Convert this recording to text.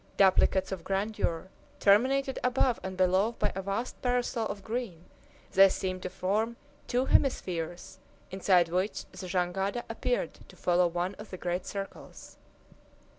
Duplicates of grandeur, terminated above and below by a vast parasol of green, they seemed to form two hemispheres, inside which the jangada appeared to follow one of the great circles.